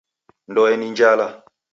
Ndoe ni njala.